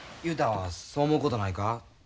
雄太はそう思うことないか？